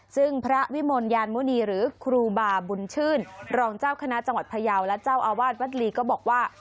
ซึ่งพระวิมลยานมุณีหรือครูบาบุญชื่นรองเจ้าคณะจังหวัดพยาวและเจ้าอาวาสวัดลีก็บอกว่า